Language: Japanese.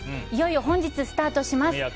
いよいよ本日、スタートします。